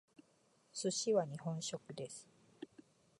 寿司は日本食です。